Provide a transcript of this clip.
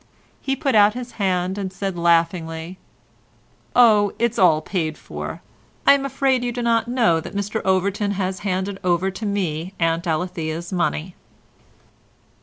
He put out his hand and said laughingly, "Oh, it's all paid for—I am afraid you do not know that Mr Overton has handed over to me Aunt Alethea's money."